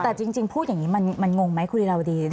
แต่จริงพูดอย่างนี้มันงงไหมคุณลีลาวดี